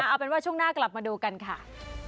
เอาเป็นว่าช่วงหน้ากลับมาดูกันค่ะ